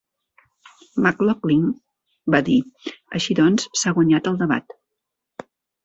McLoughlin va dir: "Així doncs, s'ha guanyat el debat".